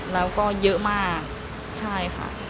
แล้วก็เยอะมากใช่ค่ะ